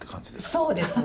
そうですね。